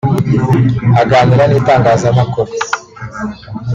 Aganira n’itangazamakuru